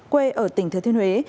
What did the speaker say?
quê ở tỉnh thừa thiên huế